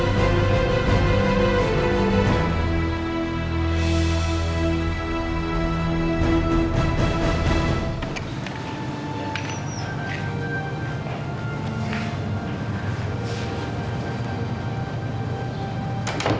terus mereka langsung mieli